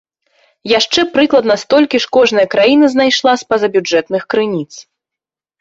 Яшчэ прыкладна столькі ж кожная краіна знайшла з пазабюджэтных крыніц.